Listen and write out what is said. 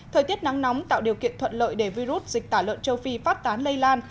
thời tiết nắng nóng tạo điều kiện thuận lợi để virus dịch tả lợn châu phi phát tán lây lan